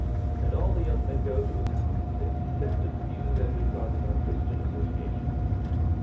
And all the young men go to his house, except a few that we've got in our Christian Association."